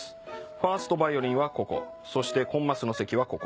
ファーストヴァイオリンはここそしてコンマスの席はここ。